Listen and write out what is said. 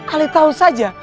alih tau saja